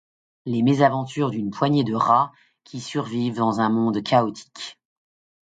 Les mésaventures d'une poignée de rats, qui survivent dans un monde chaotique.